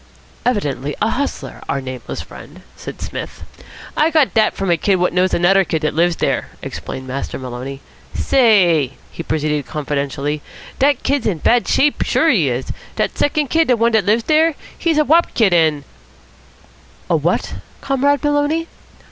"Evidently a hustler, our nameless friend," said Psmith. "I got dat from a kid what knows anuder kid what lives dere," explained Master Maloney. "Say," he proceeded confidentially, "dat kid's in bad, sure he is. Dat second kid, de one what lives dere. He's a wop kid, an " "A what, Comrade Maloney?"